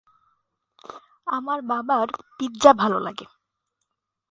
আমার বাবার পিজ্জা ভাল লাগে।